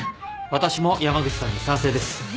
私も山口さんに賛成です。